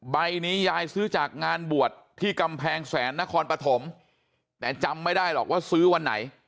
ใบนี้ยายซื้อจากงานบวชที่กำแพงแสนนครปฐมแต่จำไม่ได้หรอกว่าซื้อวันไหน